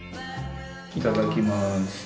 いただきます。